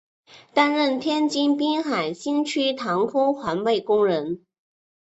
担任天津滨海新区塘沽环卫工人。